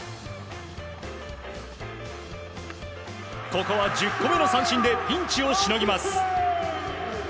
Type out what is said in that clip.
ここは１０個目の三振でピンチをしのぎます。